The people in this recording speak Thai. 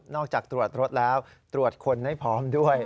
จากตรวจรถแล้วตรวจคนให้พร้อมด้วย